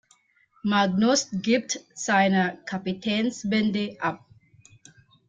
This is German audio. Magnus gibt seine Kapitänsbinde ab.